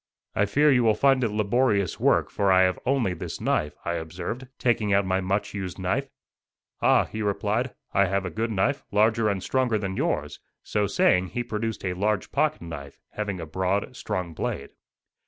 "I fear you will find it laborious work, for I have only this knife," I observed, taking out my much used knife. "Ah," he replied, "I have a good knife, larger and stronger than yours;" so saying he produced a large pocket knife, having a broad, strong blade.